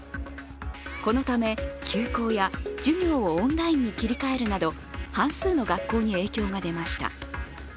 このため、休校や授業をオンラインに切り替えるなど半数の学校に影響が出ました。